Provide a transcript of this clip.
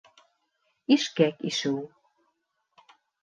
Ишкәк ишеү